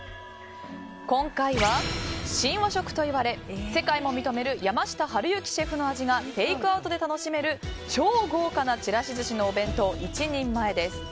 今回は、新和食といわれ世界も認める山下春幸シェフの味がテイクアウトで楽しめる超豪華なちらし寿司のお弁当１人前です。